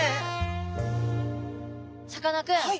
さかなクン